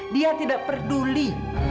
dia tidak peduli